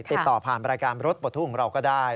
ติดต่อผ่านรายการรถปลดทุกข์ของเราก็ได้